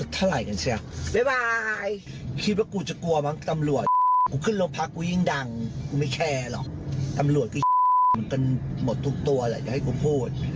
ธรรมรวชก็มันกันหมดทุกตัวอะไรก็ให้กูพูด